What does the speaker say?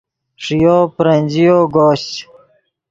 ݰییو برنجییو گوشچ